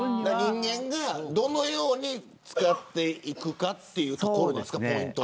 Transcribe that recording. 人間がどのように使っていくかというところですかポイントは。